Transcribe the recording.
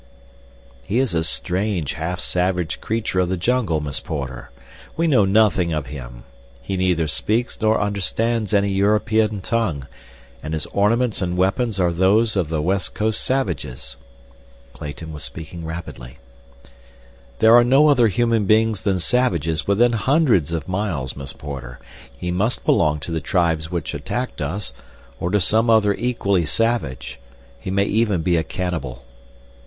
"He is a strange, half savage creature of the jungle, Miss Porter. We know nothing of him. He neither speaks nor understands any European tongue—and his ornaments and weapons are those of the West Coast savages." Clayton was speaking rapidly. "There are no other human beings than savages within hundreds of miles, Miss Porter. He must belong to the tribes which attacked us, or to some other equally savage—he may even be a cannibal."